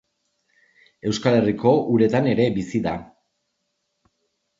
Euskal Herriko uretan ere bizi da.